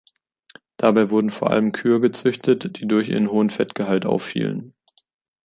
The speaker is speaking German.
Dabei wurden vor allem Kühe gezüchtet, die durch ihren hohen Fettgehalt auffielen.